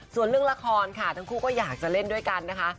ส่วนเรื่องละครค่ะทั้งคู่ก็อยากจะเล่นด้วยกันนะคะ